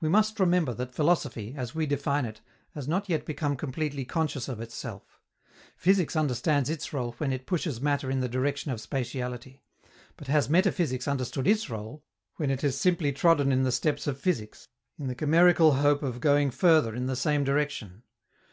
We must remember that philosophy, as we define it, has not yet become completely conscious of itself. Physics understands its rôle when it pushes matter in the direction of spatiality; but has metaphysics understood its rôle when it has simply trodden in the steps of physics, in the chimerical hope of going further in the same direction?